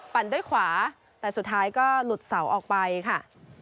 ด้วยขวาแต่สุดท้ายก็หลุดเสาออกไปค่ะ